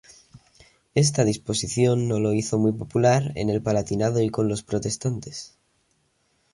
Esta disposición no lo hizo muy popular en el Palatinado y con los protestantes.